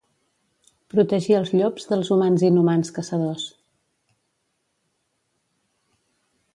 Protegir els llops dels humans inhumans caçadors